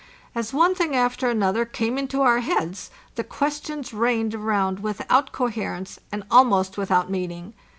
As one thing after another came into our heads, the ques tions rained around without coherence and almost with out meaning.